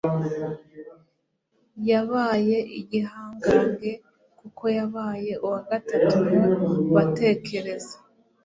yabaye igihangange kuko yabaye uwa gatatu mu batekereza